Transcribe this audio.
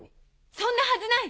そんなはずない！